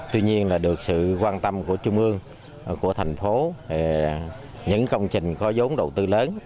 tuy nhiên được sự quan tâm của trung ương của thành phố những công trình có giống đầu tư lớn